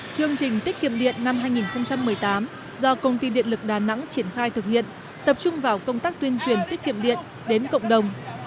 chương trình tiết kiệm điện năm hai nghìn một mươi tám do công ty điện lực đà nẵng triển khai thực hiện tập trung vào công tác tuyên truyền tiết kiệm điện đến cộng đồng